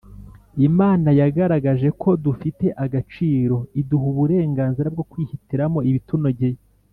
Imana yagaragaje ko dufite agaciro iduha uburenganzira bwo kwihitiramo ibitunogeye